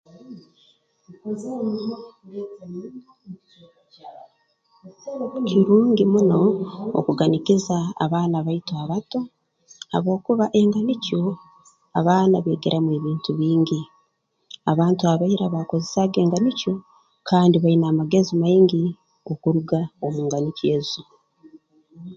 kirungi muno okuganikiza abaana baitu abato habwokuba enganikyo abaana beegeramu ebintu bingi abantu aba ira baakozesaaga enganikyo kandi baine amagezi maingi okuruga omu nganikyo ezi